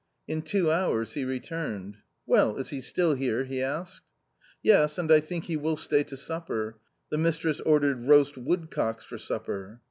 In two hours he re turned. " Well, is he still here?" he asked. " Yes, and I think he will stay to supper. The mistress ordered roast woodcocks for supper."